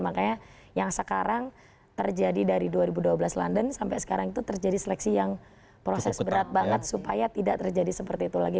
makanya yang sekarang terjadi dari dua ribu dua belas london sampai sekarang itu terjadi seleksi yang proses berat banget supaya tidak terjadi seperti itu lagi